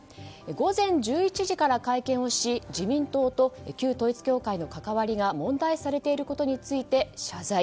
午前１１時から会見をし自民党と旧統一教会の関わりが問題視されていることについて謝罪。